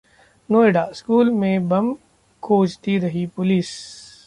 Noida: school में bomb खोजती रही पुलिस